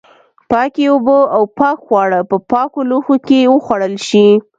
پاکې اوبه او پاک خواړه په پاکو لوښو کې وخوړل شي.